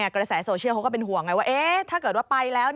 กระแสโซเชียลเขาก็เป็นห่วงไงว่าถ้าเกิดว่าไปแล้ว